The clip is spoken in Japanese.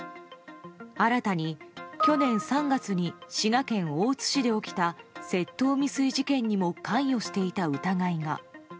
新たに、去年３月に滋賀県大津市で起きた窃盗未遂事件にも関与していた疑いが。